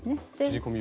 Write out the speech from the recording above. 切り込みを。